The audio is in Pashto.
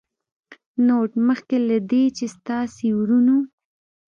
نوټ: مخکې له دې چې ستاسې وروڼو